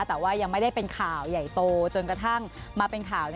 แต่ว่ายังไม่ได้เป็นข่าวใหญ่โตจนกระทั่งมาเป็นข่าว